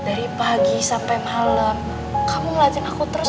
dari pagi sampai malam kamu ngeliatin aku terus